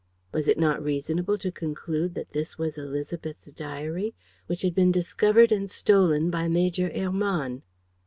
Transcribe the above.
Was it not reasonable to conclude that this was Élisabeth's diary, which had been discovered and stolen by Major Hermann?